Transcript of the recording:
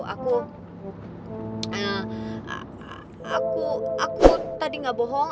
aku aku tadi gak bohong